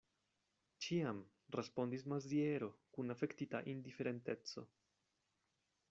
Ĉiam, respondis Maziero kun afektita indiferenteco.